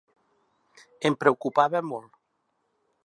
Em preocupava molt.